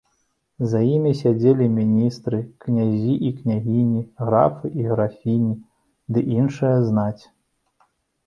За імі сядзелі міністры, князі і княгіні, графы і графіні ды іншая знаць.